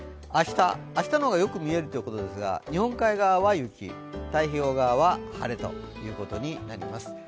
明日の方がよく見えるということですが、日本海側は雪、太平洋側は晴れということになります。